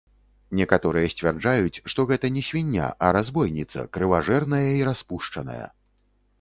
Некаторыя сцвярджаюць, што гэта не свіння, а разбойніца, крыважэрная і распушчаная.